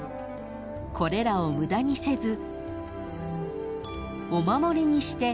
［これらを無駄にせず］